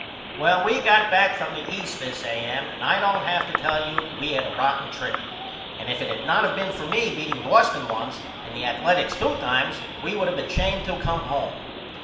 Well we got back from the East this A.M. and I don't have to tell you we had a rotten trip and if it had not of been for me beating Boston once and the Athaletics two times we would of been ashamed to come home.